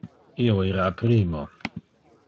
Io ira primo.